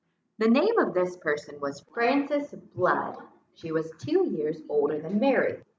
The name of this person was Frances Blood; she was two years older than Mary.